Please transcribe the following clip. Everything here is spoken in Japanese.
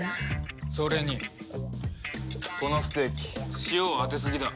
それにこのステーキ塩をあてすぎだ。